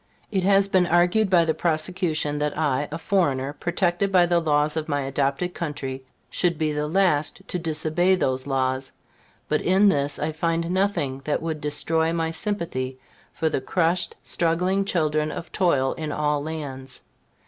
It has been argued by the prosecution that I, a foreigner, protected by the laws of my adopted country, should be the last to disobey those laws; but in this I find nothing that should destroy my sympathy for the crushed, struggling children of toil in all lands.